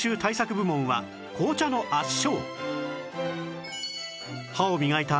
部門は紅茶の圧勝